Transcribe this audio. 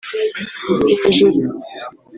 Hejuru